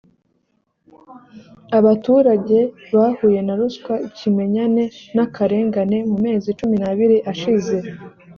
abaturage bahuye na ruswa ikimenyane n’akarengane mu mezi cumi n’abiri ashize